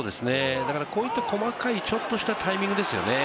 こういった、ちょっとしたタイミングですよね。